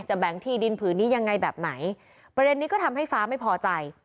แบ่งที่ดินผืนนี้ยังไงแบบไหนประเด็นนี้ก็ทำให้ฟ้าไม่พอใจ